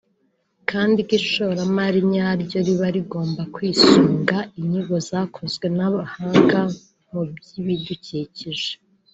kandi ko ishoramari nyaryo riba rigomba kwisunga inyigo zakozwe n’abahanga mu by’ibidukikije